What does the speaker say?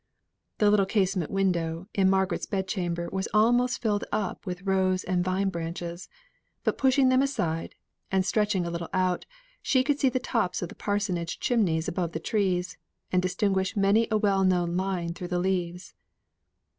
The little casement window in Margaret's bed chamber was almost filled up with rose and vine branches; but, pushing them aside, and stretching a little out, she could see the tops of the parsonage chimneys above the trees, and distinguish many a well known line through the leaves.